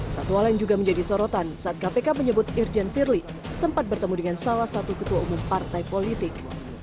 satu hal yang juga menjadi sorotan saat kpk menyebut irjen firly sempat bertemu dengan salah satu ketua umum partai politik